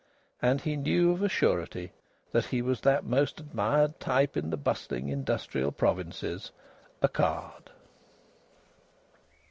And he knew of a surety that he was that most admired type in the bustling, industrial provinces a card.